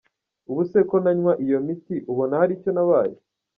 Ubuse ko ntanywa iyo miti ubona hari icyo nabaye?